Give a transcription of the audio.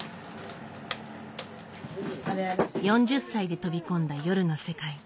４０歳で飛び込んだ夜の世界。